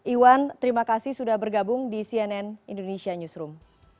iwan terima kasih sudah bergabung di cnn indonesia newsroom